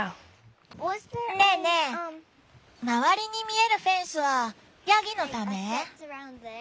ねえねえ周りに見えるフェンスはヤギのため？